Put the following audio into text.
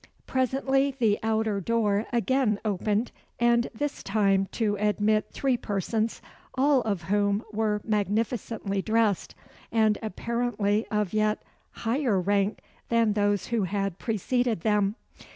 Presently the outer door again opened, and this time to admit three persons, all of whom were magnificently dressed, and apparently of yet higher rank than those who had preceded them.